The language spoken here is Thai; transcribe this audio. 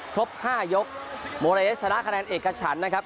ครบ๕ยกโมเลสชนะคะแนนเอกฉันนะครับ